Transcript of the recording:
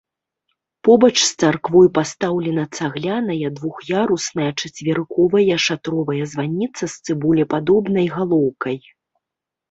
Побач з царквой пастаўлена цагляная двух'ярусная чацверыковая шатровая званіца з цыбулепадобнай галоўкай.